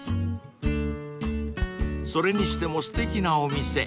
［それにしてもすてきなお店］